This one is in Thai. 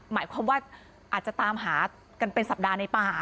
หมายความว่าอาจจะตามหากันเป็นสัปดาห์ในป่า